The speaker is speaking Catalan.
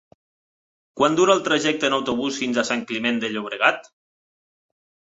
Quant dura el trajecte en autobús fins a Sant Climent de Llobregat?